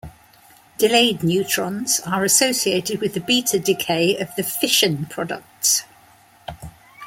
Delayed neutrons are associated with the beta decay of the fission products.